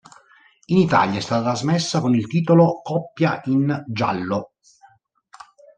In Italia è stata trasmessa con il titolo "Coppia in giallo".